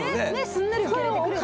すんなり受け入れてくれて。